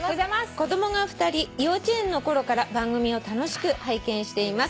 子供が２人幼稚園の頃から番組を楽しく拝見しています」